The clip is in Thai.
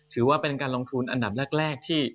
ถือว่าเป็นการลงทุนอันดับแรกที่